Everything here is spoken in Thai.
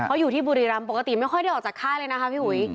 เขาอยู่ที่บุรีรำปกติไม่ค่อยได้ออกจากค่ายเลยนะคะพี่หุย